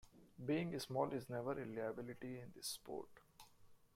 Being small is never a liability in this sport.